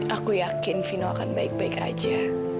aku yakin fino akan baik baik aja